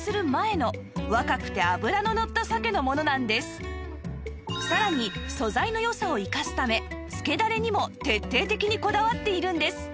実は一方今回のいくらはさらに素材の良さを生かすため漬けダレにも徹底的にこだわっているんです！